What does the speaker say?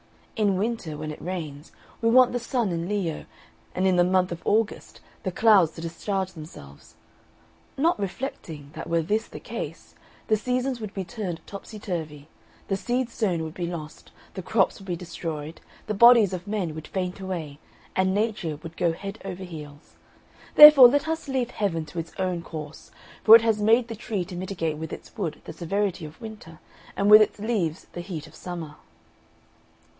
In winter, when it rains, we want the sun in Leo, and in the month of August the clouds to discharge themselves; not reflecting, that were this the case, the seasons would be turned topsy turvy, the seed sown would be lost, the crops would be destroyed, the bodies of men would faint away, and Nature would go head over heels. Therefore let us leave Heaven to its own course; for it has made the tree to mitigate with its wood the severity of winter, and with its leaves the heat of summer."